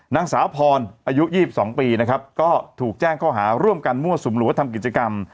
นางสาวพรอายุ๒๒ปีนะครับก็ถูกแจ้งข้อหาร่วมกันมั่วสุมหรือว่าทำกิจกรรม